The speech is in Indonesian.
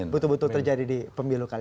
tidak butuh butuh terjadi di pemilu kali ini